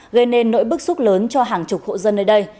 gây nên nỗi bức xúc lớn cho hàng chục hộ dân nơi đây